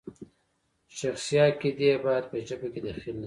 شخصي عقیدې باید په ژبه کې دخیل نشي.